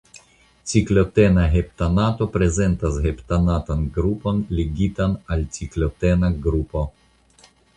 Ciklotena heptanato prezentas heptanatan grupon ligitan al ciklotena grupo.